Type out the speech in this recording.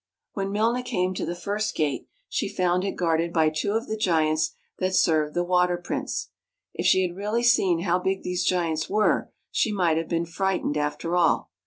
When Milna came to the first gate, she found it guarded by two of the giants that served the Water Prince. If she had really seen how big these giants were, she might have been frightened, after all.